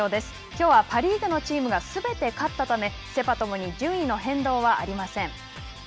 きょうはパ・リーグのチームがすべて勝ったためセ・パともに順位の変動はありません。